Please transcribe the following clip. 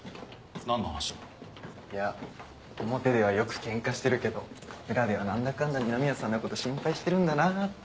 何の話だ？いや表ではよくケンカしてるけど裏では何だかんだ二宮さんのこと心配してるんだなって。